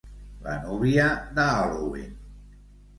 La núvia de Halloween.